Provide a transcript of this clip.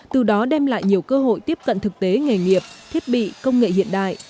từ đó đem lại nhiều cơ hội tiếp cận thực tế nghề nghiệp thiết bị công nghệ hiện đại